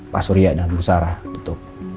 pak surya dan bu sarah betul